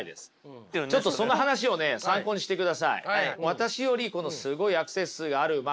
私よりこのすごいアクセス数があるま